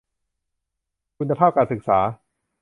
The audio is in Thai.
คุณภาพการศึกษา